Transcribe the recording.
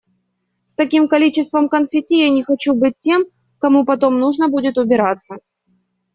С таким количеством конфетти я не хочу быть тем, кому потом нужно будет убираться.